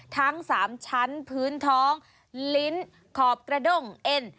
ทั้ง๓ชั้นพื้นท้องลิ้นขอบกระด้งเอ็น